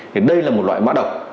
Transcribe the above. thì đây là một loại mã đọc